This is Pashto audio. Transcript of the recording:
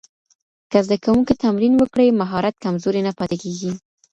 که زده کوونکی تمرین وکړي، مهارت کمزوری نه پاتې کېږي.